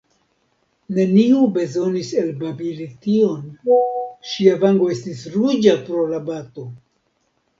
Neniu bezonis elbabili tion; ŝia vango estis ruĝa pro la bato.